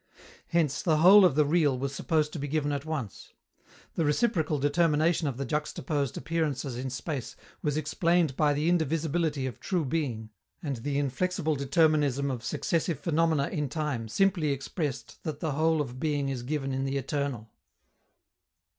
Hence, the whole of the real was supposed to be given at once. The reciprocal determination of the juxtaposed appearances in space was explained by the indivisibility of true being, and the inflexible determinism of successive phenomena in time simply expressed that the whole of being is given in the eternal.